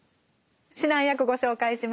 指南役ご紹介します。